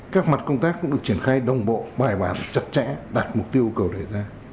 các mặt công tác cũng được triển khai đồng bộ bài bản chặt chẽ đạt mục tiêu yêu cầu đề ra